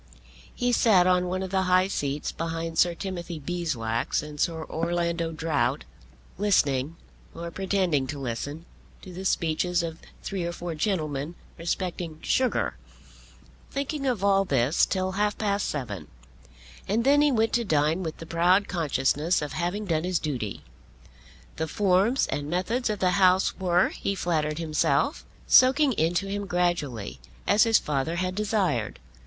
He sat on one of the high seats behind Sir Timothy Beeswax and Sir Orlando Drought, listening, or pretending to listen, to the speeches of three or four gentlemen respecting sugar, thinking of all this till half past seven; and then he went to dine with the proud consciousness of having done his duty. The forms and methods of the House were, he flattered himself, soaking into him gradually, as his father had desired.